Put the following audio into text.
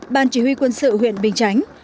ban chỉ huy quân sự huyện bình chánh